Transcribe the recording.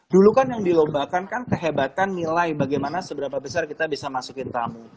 dulu kan yang dilombakan kan kehebatan nilai bagaimana seberapa besar kita bisa masukin tamu